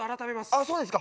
あっそうですか。